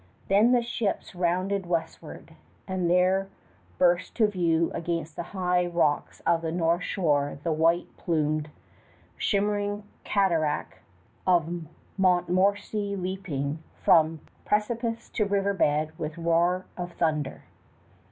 Then the ships rounded westward, and there burst to view against the high rocks of the north shore the white plumed shimmering cataract of Montmorency leaping from precipice to river bed with roar of thunder.